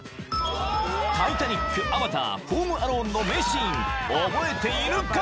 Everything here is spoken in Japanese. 「タイタニック」「アバター」「ホーム・アローン」の名シーン覚えているか？